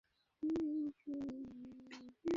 তৃতীয় অন্ধকার অর্থাৎ সমুদ্রের অন্ধকারের সাথে।